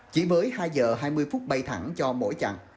chỉ mới hai giờ hai mươi phút bay thẳng cho mỗi chặng